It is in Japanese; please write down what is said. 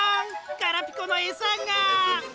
ガラピコのエサが！